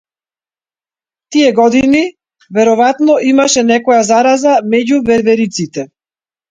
Тие години веројатно имаше некоја зараза меѓу вервериците.